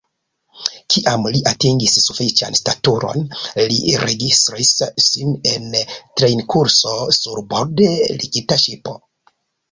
Kiam li atingis sufiĉan staturon, li registris sin en trejnkurso sur borde ligita ŝipo.